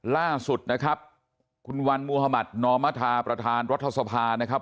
ล่าสุดนะครับคุณวันมุธมัธนอมธาประธานรัฐสภานะครับ